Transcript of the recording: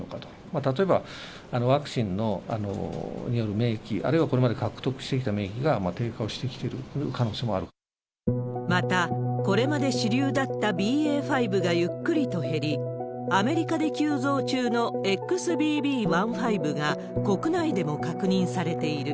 例えばワクチンによる免疫、あるいはこれまで獲得してきた免疫が低下をしてきている可能性もまた、これまで主流だったＢＡ．５がゆっくりと減り、アメリカで急増中のＸＢＢ．１．５が国内でも確認されている。